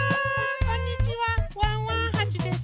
こんにちはワンワンはちです。